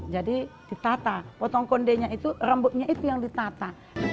jadi ditata potong kondenya itu rambutnya itu yang ditata